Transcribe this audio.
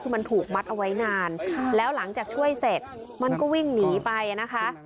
คือมันถูกมัดเอาไว้นานแล้วหลังจากช่วยเสร็จมันก็วิ่งหนีไปนะคะ